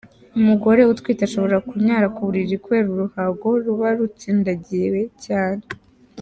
Umugore utwite ashobora kunyara ku buriri kubera uruhago ruba rutsindagiwe cyane.